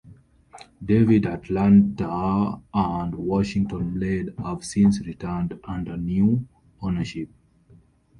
"David Atlanta" and "Washington Blade" have since returned under new ownership.